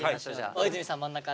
大泉さん真ん中で。